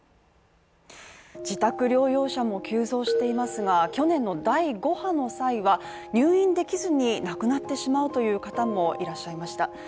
自宅療養者も急増していますが、去年の第５波の際は、入院できずに亡くなってしまうという方もいらっしゃいました。